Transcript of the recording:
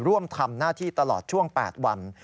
ร่วมทำหน้าที่ตลอดช่วง๘วัน